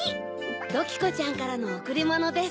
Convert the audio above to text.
ドキコちゃんからのおくりものです。